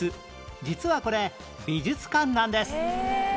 実はこれ美術館なんです